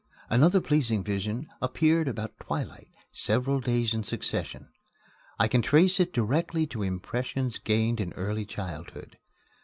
Another pleasing vision appeared about twilight several days in succession. I can trace it directly to impressions gained in early childhood.